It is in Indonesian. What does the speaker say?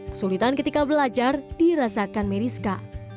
kesulitan ketika belajar dirasakan meriska